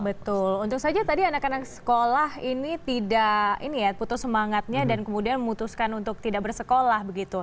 betul untuk saja tadi anak anak sekolah ini tidak putus semangatnya dan kemudian memutuskan untuk tidak bersekolah begitu